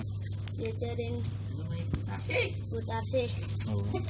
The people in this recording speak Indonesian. diajarin putar sih